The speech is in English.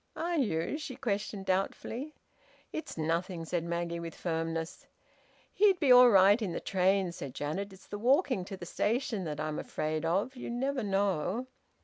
"Are you?" she questioned doubtfully. "It's nothing," said Maggie, with firmness. "He'd be all right in the train," said Janet. "It's the walking to the station that I'm afraid of... You never know."